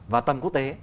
và tầm quốc tế